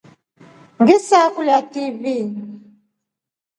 Ngilisakulia TV.